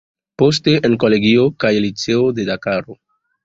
Poste en kolegio kaj liceo de Dakaro.